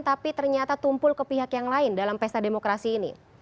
tapi ternyata tumpul ke pihak yang lain dalam pesta demokrasi ini